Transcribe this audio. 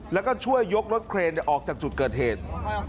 แล้วก็ช่วยยกรถเครนออกจากจุดเกิดเหตุ